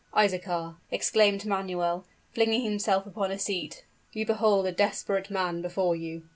"Isaachar," exclaimed Manuel, flinging himself upon a seat, "you behold a desperate man before you!"